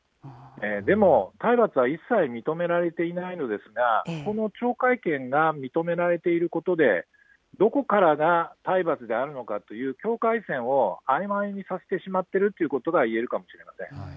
でも、体罰は一切認められていないのですが、この懲戒権が認められていることで、どこからが体罰であるのかという、境界線をあいまいにさせてしまっているということがいえるかもしれません。